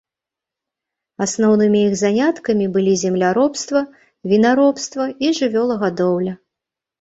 Асноўнымі іх заняткамі былі земляробства, вінаробства і жывёлагадоўля.